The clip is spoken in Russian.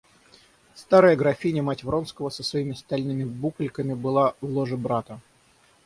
Старая графиня, мать Вронского, со своими стальными букольками, была в ложе брата.